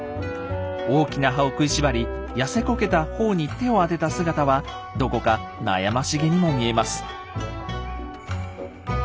大きな歯を食いしばり痩せこけた頬に手を当てた姿はどこか悩ましげにも見えます。